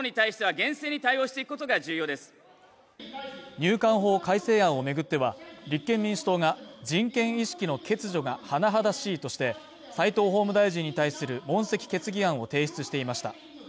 入管法改正案を巡っては、立憲民主党が人権意識の欠如が甚だしいとして法務大臣に対する問責決議案を提出していました。